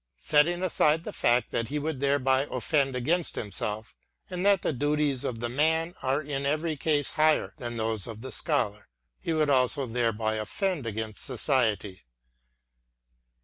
Setting aside the fact that he would thereby offend against himself, and that the duties of the man are in every case higher than those of the Scholar :— he would also thereby offend against society.